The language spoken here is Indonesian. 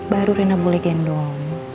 baru reina boleh gendong